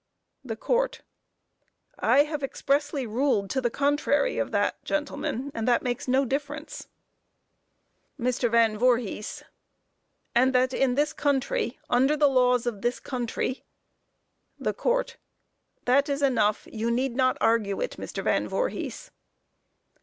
THE COURT: I have expressly ruled to the contrary of that, gentlemen; that that makes no difference. MR. VAN VOORHIS: And that in this country under the laws of this country THE COURT: That is enough you need not argue it, Mr. Van Voorhis.